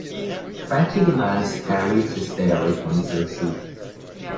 Frankie demands Harry to stay away from Suzy.